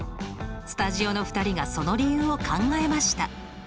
スタジオの２人がその理由を考えました。